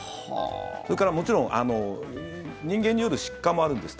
それから、もちろん人間による失火もあるんです。